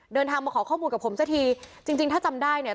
เดินทางมาขอข้อมูลกับผมสักทีจริงจริงถ้าจำได้เนี่ย